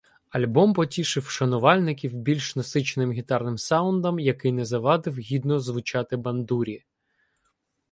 Альбом потішив шанувальників більш насиченим гітарним саундом, який не завадив гідно звучати бандурі